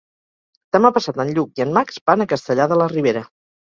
Demà passat en Lluc i en Max van a Castellar de la Ribera.